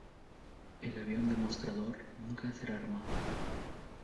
El avión demostrador nunca será armado.